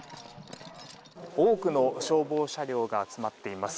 多くの消防車両が集まっています。